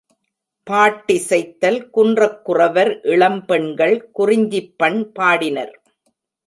பாட்டிசைத்தல் குன்றக் குறவர் இளம் பெண்கள் குறிஞ்சிப்பண் பாடினர்.